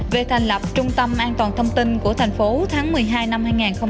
về thành lập trung tâm an toàn thông tin của thành phố tháng một mươi hai năm hai nghìn hai mươi ba